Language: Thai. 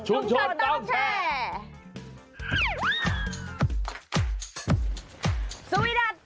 ชุมชนต้องแชร์